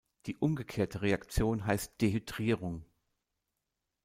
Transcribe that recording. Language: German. Die umgekehrte Reaktion heißt Dehydrierung.